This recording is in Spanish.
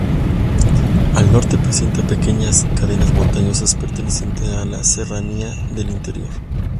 Al norte presenta pequeñas cadenas montañosas pertenecientes a la Serranía del Interior.